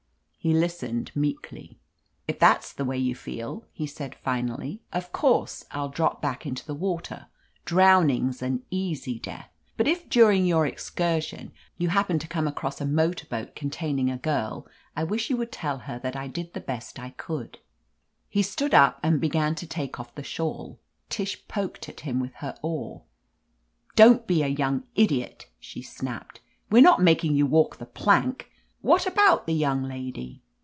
He listened meekly. "If that's the way you feel," he said finally, ■ "of course I'll drop back into the water. Browning's an easy death. But if during your excursion you happen to come across a motor 311 THE AMAZING ADVENTURES boat containing a girl, I wish you would tell her that I did the best I could." He stood up and began to take off the shawl. Tish poked at him with her oar. "Don't be a young idiot," she snapped. "We're not making you walk the plank. What about the young lady